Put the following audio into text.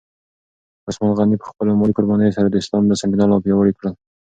عثمان غني په خپلو مالي قربانیو سره د اسلام بنسټونه لا پیاوړي کړل.